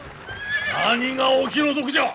何がお気の毒じゃ！